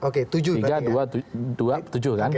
tiga dua tujuh kan